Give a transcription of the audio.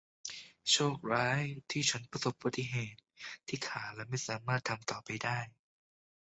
โชคร้ายที่ฉันประสบอุบัติเหตุที่ขาและไม่สามารถทำต่อไปได้